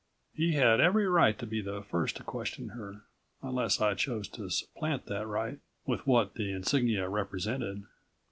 He had every right to be the first to question her, unless I chose to supplant that right with what the insignia represented.